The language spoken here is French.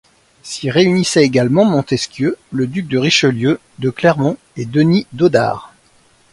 S'y réunissaient également Montesquieu, le duc de Richelieu, de Clermont et Denis Dodart.